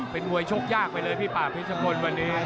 เป็นมวยชกยากไปเลยพี่ป่าพิชมนต์วันนี้